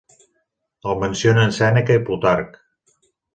El mencionen Sèneca i Plutarc.